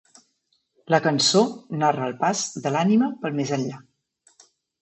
La cançó narra el pas de l'ànima pel més enllà.